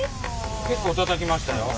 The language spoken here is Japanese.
結構たたきましたよ。